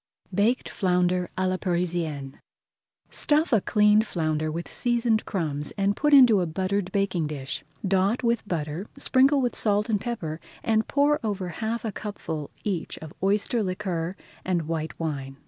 BAKED FLOUNDER À LA PARISIENNE Stuff a cleaned flounder with seasoned [Page 139] crumbs and put into a buttered baking dish. Dot with butter, sprinkle with salt and pepper, and pour over half a cupful each of oyster liquor and white wine.